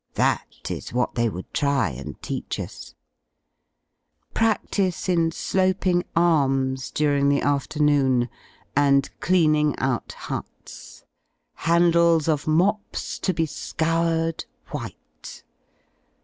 ^^ That is what they would try and teach us, Pracflice in sloping arms during the afternoon, and clean 19 /^,^ ing out huts; handles of niops to be scoured white.